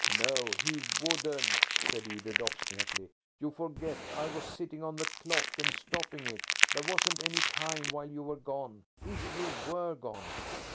"No, he wouldn't," said Edred obstinately. "You forget I was sitting on the clock and stopping it. There wasn't any time while you were gone–if you were gone."